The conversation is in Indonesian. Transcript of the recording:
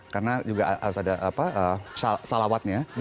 karena juga harus ada salawatnya